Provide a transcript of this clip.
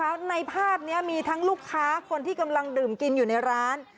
แล้วในภาพนี้มีทั้งลูกค้าคนที่กำลังดื่มกินอยู่ในร้าน